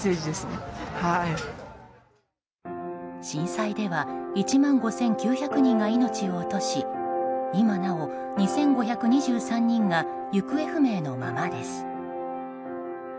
震災では１万５９００人が命を落とし今なお２５２３人が行方不明のままです。